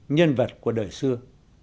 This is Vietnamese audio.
nhân vật của đời xưa